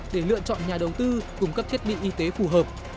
để lựa chọn nhà đầu tư cung cấp thiết bị y tế phù hợp